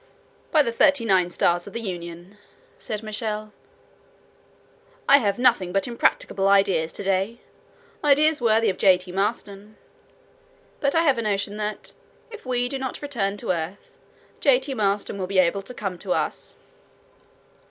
"By the thirty nine stars of the Union!" said Michel, "I have nothing but impracticable ideas to day; ideas worthy of J. T. Maston. But I have a notion that, if we do not return to earth, J. T. Maston will be able to come to us."